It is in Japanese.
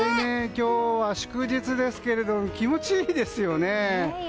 今日は祝日ですけど気持ちいいですよね。